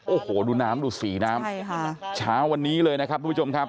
โอ้โหดูน้ำดูสีน้ำใช่ค่ะเช้าวันนี้เลยนะครับทุกผู้ชมครับ